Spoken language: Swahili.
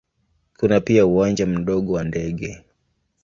Kuna pia uwanja mdogo wa ndege.